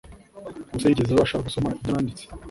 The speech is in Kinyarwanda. ubuse yigeze abasha gusoma ibyo nanditse